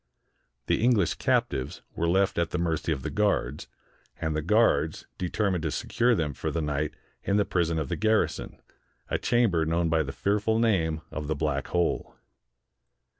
The English cap tives were left at the mercy of the guards, and the guards determined to secure them for the night in the prison of the garrison, a chamber known by the fearful name of the Black Hole.